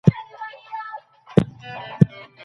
ښوونکي لارښوونه کوي.